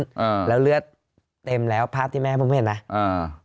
อ่าแล้วเลือดเต็มแล้วภาพที่แม่ผมเห็นนะอ่า